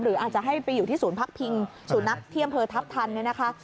หรืออาจจะให้ไปอยู่ที่ศูนย์พักพิงสุนัขที่อำเภอทัพทันเนี่ยนะคะ